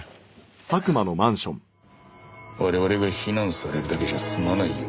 我々が非難されるだけじゃ済まないよ。